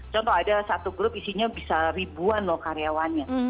contoh ada satu grup isinya bisa ribuan loh karyawannya